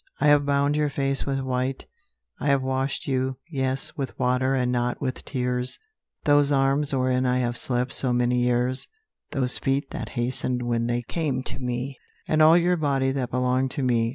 I have bound your face with white; I have washed you, yes, with water and not with tears, Those arms wherein I have slept so many years, Those feet that hastened when they came to me, And all your body that belonged to me.